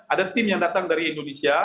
ada tim yang datang dari indonesia